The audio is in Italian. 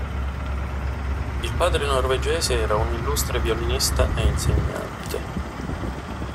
Il padre norvegese era un illustre violinista e insegnante.